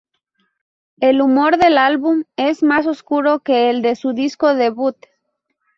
El humor del álbum es más oscuro que el de su disco debut.